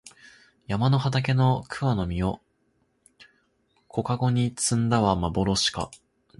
山の畑の桑の実を小かごに摘んだはまぼろしか